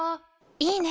いいね！